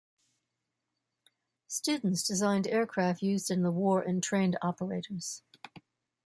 Students designed aircraft used in the war and trained operators.